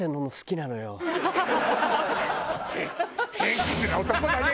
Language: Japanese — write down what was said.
偏屈な男だね！